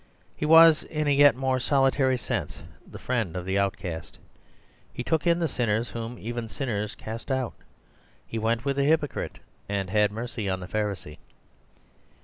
He was in a yet more solitary sense the friend of the outcast. He took in the sinners whom even sinners cast out. He went with the hypocrite and had mercy on the Pharisee.